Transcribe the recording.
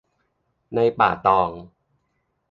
ในป่าตอง